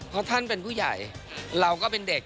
เพราะท่านเป็นผู้ใหญ่เราก็เป็นเด็ก